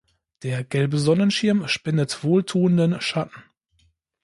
Der gelbe Sonnenschirm spendet wohltuenden Schatten.